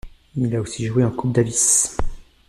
Il a aussi joué en Coupe Davis.